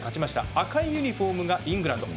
赤いユニホームがイングランド。